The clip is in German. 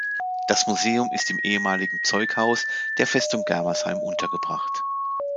Das Museum ist im ehemaligen Zeughaus der Festung Germersheim untergebracht.